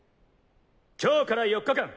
今日から４日間